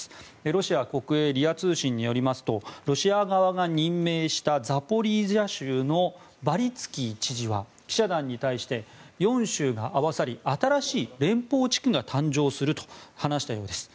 ロシア国営ＲＩＡ通信によりますとロシア側が任命したザポリージャ州のバリツキー知事は記者団に対して４州が合わさり新しい連邦地区が誕生すると話したようです。